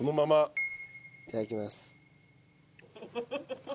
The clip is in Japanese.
いただきます。